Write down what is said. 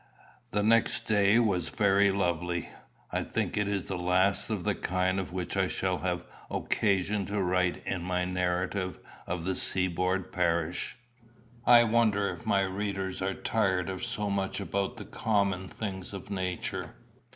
The next day was very lovely. I think it is the last of the kind of which I shall have occasion to write in my narrative of the Seaboard Parish. I wonder if my readers are tired of so much about the common things of Nature.